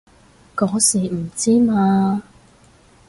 嗰時唔知嘛